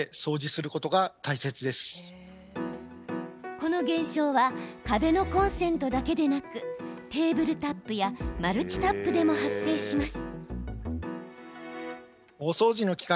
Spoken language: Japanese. この現象は壁のコンセントだけでなくテーブルタップやマルチタップでも発生します。